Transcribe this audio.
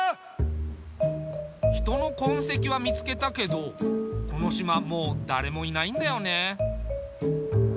人の痕跡は見つけたけどこの島もう誰もいないんだよね。